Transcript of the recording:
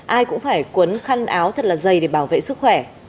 ai cũng phải cuốn khăn áo thật là dày để bảo vệ sức khỏe